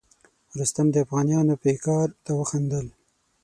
رستم د افغانیانو پیکار ته وخندل.